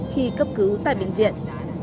khi cấp cứu tại bệnh viện